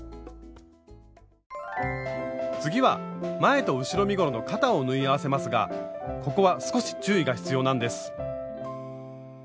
次は前と後ろ身ごろの肩を縫い合わせますがここは少し注意が必要なんです。